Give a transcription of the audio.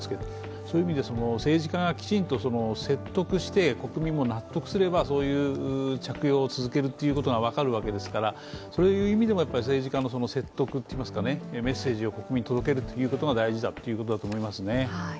そういう意味で政治家がきちんと説得して国民も納得すればそういう着用を続けるということが分かるわけですから政治家の説得といいますか、メッセージを国民に届けることが大事だということだと思いますね。